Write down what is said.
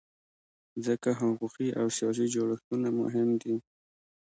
ځکه حقوقي او سیاسي جوړښتونه مهم دي.